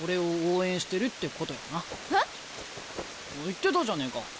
言ってたじゃねえか。